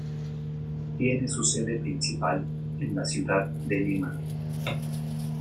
Tiene su sede principal en la ciudad de Lima.